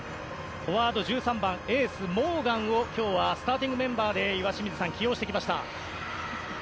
フォワード１３番エース、モーガンを今日はスターティングメンバーで起用してきました。